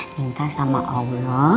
minta sama allah